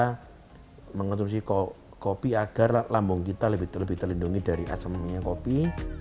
kita mengonsumsi kopi agar lambung kita lebih terlindungi dari asam minyak kopi